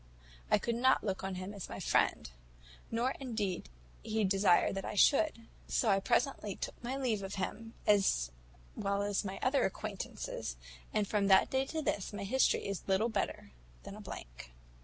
I could not look on him as my friend, nor indeed did he desire that I should; so I presently took my leave of him, as well as of my other acquaintance; and from that day to this, my history is little better than a blank."